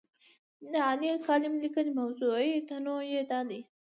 د عالي کالم لیکنې موضوعي تنوع یې دا دی.